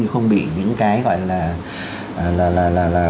không bị những cái gọi là